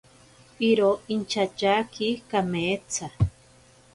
Iro inchatyaki kameetsa.